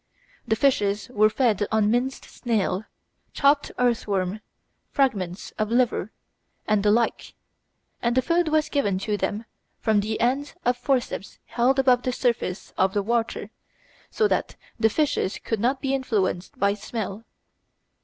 The fishes were fed on minced snail, chopped earthworm, fragments of liver, and the like, and the food was given to them from the end of forceps held above the surface of the water, so that the fishes could not be influenced by smell.